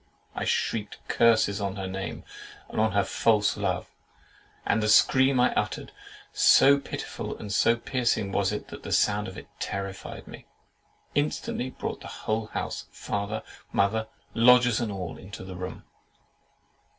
I shrieked curses on her name, and on her false love; and the scream I uttered (so pitiful and so piercing was it, that the sound of it terrified me) instantly brought the whole house, father, mother, lodgers and all, into the room.